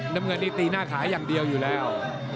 น้ำเงินนี่ตีหน้าขาอย่างเดียวอยู่แล้ว